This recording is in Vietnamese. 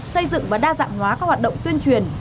xây dựng và đa dạng hóa các hoạt động tuyên truyền